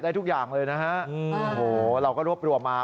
ได้ทุกอย่างเลยนะฮะโอ้โหเราก็รวบรวมมา